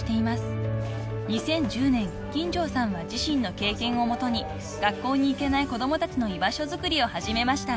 ［２０１０年金城さんは自身の経験を基に学校に行けない子供たちの居場所づくりを始めました］